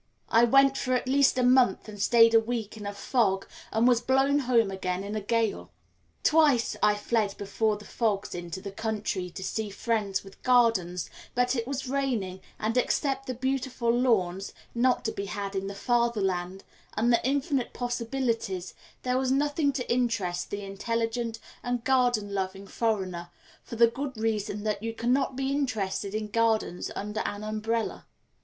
I went for at least a month and stayed a week in a fog and was blown home again in a gale. Twice I fled before the fogs into the country to see friends with gardens, but it was raining, and except the beautiful lawns (not to be had in the Fatherland) and the infinite possibilities, there was nothing to interest the intelligent and garden loving foreigner, for the good reason that you cannot be interested in gardens under an umbrella.